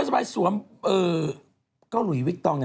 จากธนาคารกรุงเทพฯ